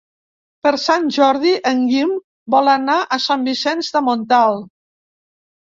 Per Sant Jordi en Guim vol anar a Sant Vicenç de Montalt.